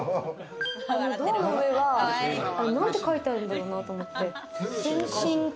ドアの上は何て書いてあるんかなと思って。